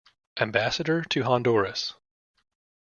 Ambassador to Honduras.